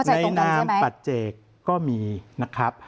นามปัจเจกก็มีนะครับ